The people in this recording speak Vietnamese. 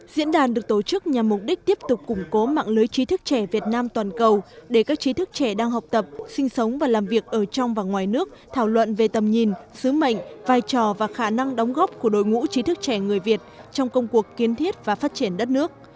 diễn đàn được tổ chức nhằm mục đích tiếp tục củng cố mạng lưới chí thức trẻ việt nam toàn cầu để các trí thức trẻ đang học tập sinh sống và làm việc ở trong và ngoài nước thảo luận về tầm nhìn sứ mệnh vai trò và khả năng đóng góp của đội ngũ trí thức trẻ người việt trong công cuộc kiến thiết và phát triển đất nước